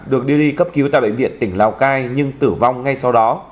được đưa đi cấp cứu tại bệnh viện tỉnh lào cai nhưng tử vong ngay sau đó